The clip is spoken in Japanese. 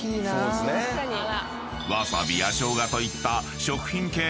［わさびやしょうがといった］